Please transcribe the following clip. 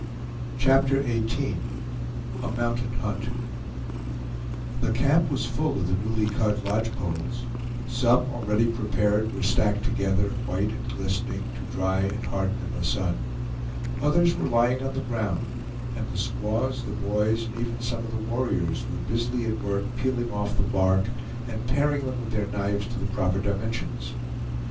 CHAPTER XVIII A MOUNTAIN HUNT The camp was full of the newly cut lodge poles; some, already prepared, were stacked together, white and glistening, to dry and harden in the sun; others were lying on the ground, and the squaws, the boys, and even some of the warriors were busily at work peeling off the bark and paring them with their knives to the proper dimensions.